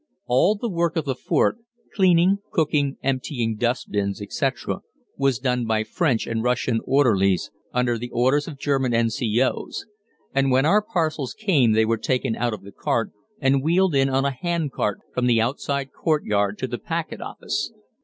All the work of the fort cleaning, cooking, emptying dust bins, etc. was done by French and Russian orderlies under the orders of German N.C.O.'s, and when our parcels came they were taken out of the cart and wheeled in on a hand cart from the outside courtyard to the packet office.